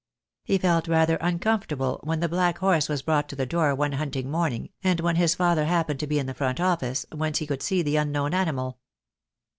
He felt rather uncomfortable when the black horse was brought to the door one hunting morning, and when his father happened to be in the front office, whence he could see the unknown animal.